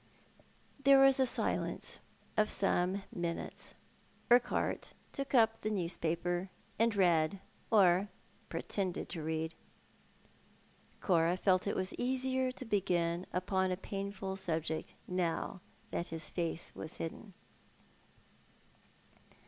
Tiierc was a silence of some minutes. Urquhart took up the newspaper again, and read, or pretended to read. Cora felt it easier to begin upon a painful subject now that his face was hidden. 264 Thou art the Man.